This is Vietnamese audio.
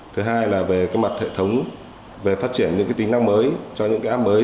thứ hai là về mặt hệ thống về phát triển những tính năng mới cho những app mới